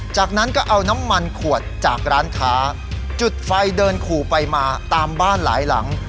จากนั้นก็เอาน้ำมันขวดจากร้านค้าจุดไฟเดินขู่ไปมาตามบ้านหลายหลัง